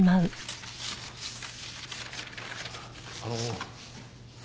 あの。